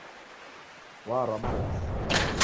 Warwa marasi.